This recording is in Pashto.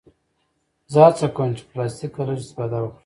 زه هڅه کوم چې له پلاستيکه لږ استفاده وکړم.